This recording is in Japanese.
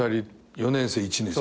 ４年生１年生。